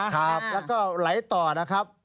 แล้วก็ไหลต่อนะครับ